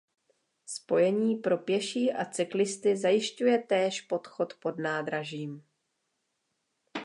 Spojení pro pěší a cyklisty zajišťuje též podchod pod nádražím.